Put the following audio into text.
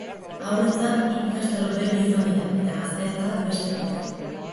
Haurrentzat hiru ikastaro berri izan dira, eta gazteentzat beste bat.